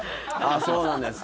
そうなんですか。